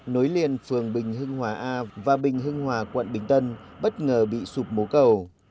nối liền phường bình hưng hòa a và bình hưng hòa quận bình tân bất ngờ bị sụp mố cầu